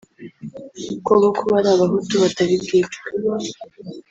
ko bo kuba ari Abahutu batari bwicwe